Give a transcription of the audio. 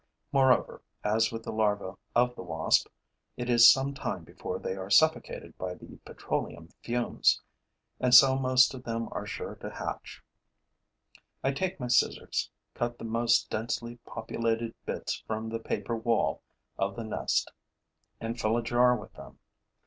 Moreover, as with the larvae of the wasp, it is some time before they are suffocated by the petroleum fumes; and so most of them are sure to hatch. I take my scissors, cut the most densely populated bits from the paper wall of the nest and fill a jar with them.